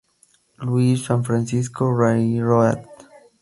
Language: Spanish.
Louis- San Francisco Railroad.